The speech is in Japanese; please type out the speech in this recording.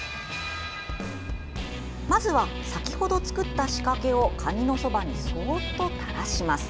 まずは先ほど作った仕掛けをカニのそばにそーっと垂らします。